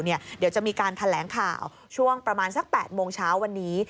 เดี๋ยวจะมีการแถลงข่าวช่วงประมาณสัก๘โมงเช้าวันนี้